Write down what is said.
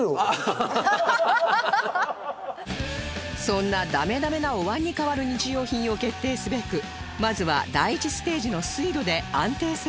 そんなダメダメなお椀に代わる日用品を決定すべくまずは第１ステージの水路で安定性をチェック